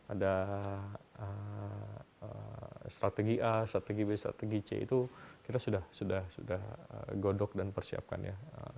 ada strategi a strategi b strategi c itu kita sudah godok dan persiapkan ya